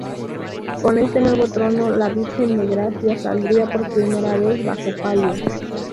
Con este nuevo trono, la Virgen de Gracia saldría por primera vez bajo palio.